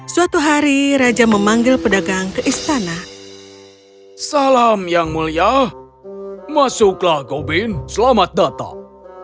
suatu hari raja memanggil pedagang ke istana salam yang mulia masuklah gobin selamat datang